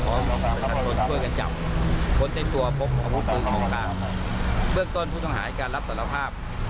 ประชาชนช่วยกันจับค้นในตัวพบอาวุธปืนของกลางเบื้องต้นผู้ต้องหาให้การรับสารภาพ